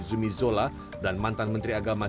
zumi zola dan mantan menteri agama